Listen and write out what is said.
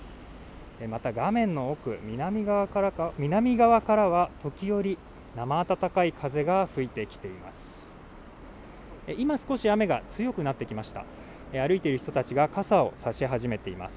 また画面の奥、南側からは時折、なま暖かい風が吹いてきています。